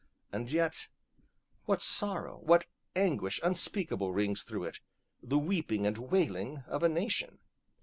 And yet, what sorrow, what anguish unspeakable rings through it, the weeping and wailing of a nation!